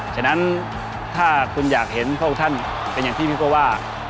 ฉะนั้นถ้าคุณอยากเห็นพระองค์ท่านเป็นอย่างที่พี่ก็ว่า